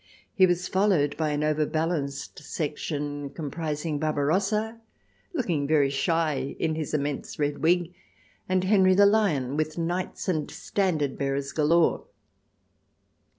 He was followed by an overbalanced section compris ing Barbarossa, looking very shy in his immense red wig, and Henry the Lion, with knights and standard bearers galore.